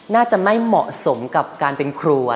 น่าจะไม่เหมาะสมกับการเป็นครัว